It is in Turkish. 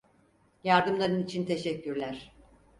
Yardımların için teşekkürler.